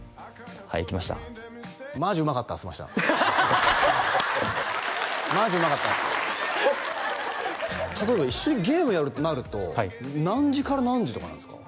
はい行きました「マジウマカッタ」っつってました「マジウマカッタ」例えば一緒にゲームやるとなると何時から何時とかなんですか？